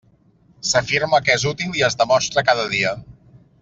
S'afirma que és útil, i es demostra cada dia.